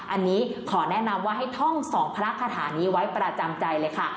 อันนี้ขอแนะนำว่าให้ท่องสองพระคาถานี้ไว้ประจำใจเลยค่ะ